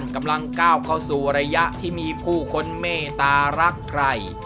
กำลังก้าวเข้าสู่ระยะที่มีผู้คนเมตตารักใคร